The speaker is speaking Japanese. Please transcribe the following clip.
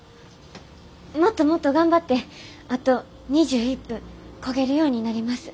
もっともっと頑張ってあと２１分こげるようになります。